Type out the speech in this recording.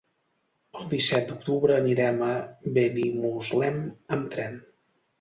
El disset d'octubre anirem a Benimuslem amb tren.